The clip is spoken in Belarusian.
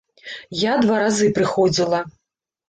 Я два разы прыходзіла.